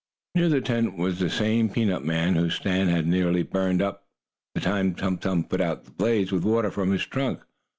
Near the tent was the same peanut man whose stand had nearly burned up the time Tum Tum put out the blaze with water from his trunk.